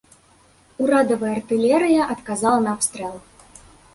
Урадавая артылерыя адказала на абстрэл.